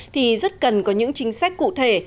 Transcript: thì rất cần có những chính sách cụ thể